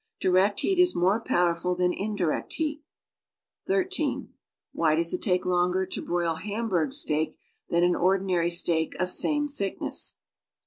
Direct heat is more powerful than indirect lietit. (13) Why does il take longer to bri>il Hamburg steak than an ordinary steak of same thiekness.